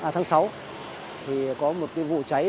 thì có một vụ cháy